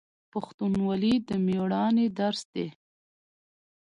پښتونولي د میړانې درس دی.